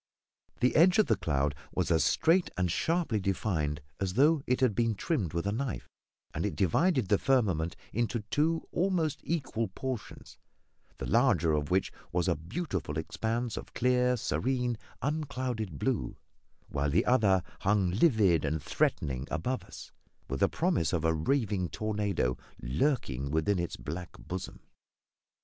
The edge of the cloud was as straight and sharply defined as though it had been trimmed with a knife, and it divided the firmament into two almost equal portions, the larger of which was a beautiful expanse of clear, serene, unclouded blue; while the other hung livid and threatening above us, with the promise of a raving tornado lurking within its black bosom.